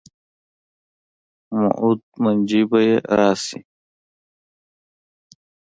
موعود منجي به یې راشي.